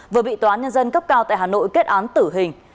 vừa bị tòa án nhân dân cấp cao tại hà nội kết án tử hình